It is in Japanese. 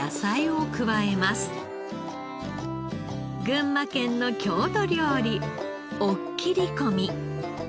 群馬県の郷土料理おっ切り込み。